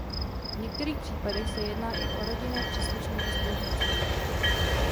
V některých případech se jedná i o rodinné příslušníky spolupracovníků.